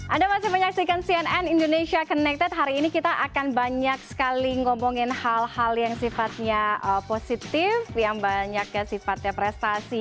anda masih menyaksikan cnn indonesia connected hari ini kita akan banyak sekali ngomongin hal hal yang sifatnya positif yang banyaknya sifatnya prestasi